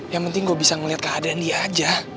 yang penting gue bisa ngeliat keadaan dia aja